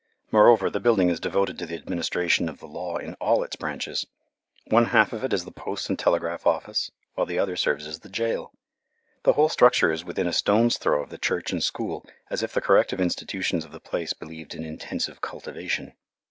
Moreover, the building is devoted to the administration of the law in all its branches. One half of it is the post and telegraph office, while the other serves as the jail. The whole structure is within a stone's throw of the church and school, as if the corrective institutions of the place believed in intensive cultivation.